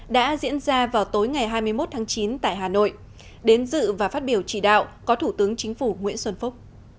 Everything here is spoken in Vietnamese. đã diễn ra vào tối ngày hai mươi một tháng chín tại hà nội đến dự và phát biểu chỉ đạo có thủ tướng chính phủ nguyễn xuân phúc